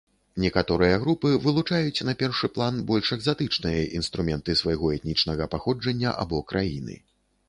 Некаторыя групы вылучаюць на першы план больш экзатычныя інструменты свайго этнічнага паходжання або краіны.